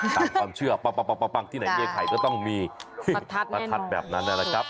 ตามความเชื่อปังที่ไหนเมียไข่ก็ต้องมีประทัดแบบนั้นนะครับ